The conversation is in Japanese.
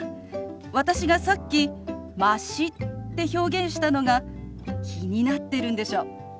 私がさっき「まし」って表現したのが気になってるんでしょ？